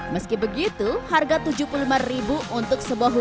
meski begitu harga tujuh puluh lima ribu untuk sebuah hukum